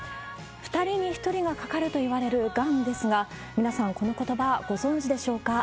２人に１人がかかるといわれるがんですが、皆さん、このことば、ご存じでしょうか？